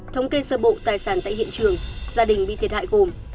thống kê sơ bộ tài sản tại hiện trường gia đình bị thiệt hại gồm